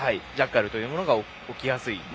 ジャッカルというものが起きやすい。